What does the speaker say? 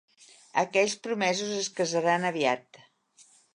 Aquells promesos es casaran aviat.